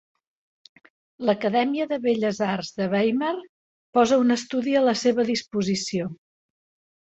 L'Acadèmia de Belles Arts de Weimar posa un estudi a la seva disposició.